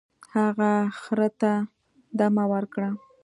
هغه خر ته دمه ورکړه.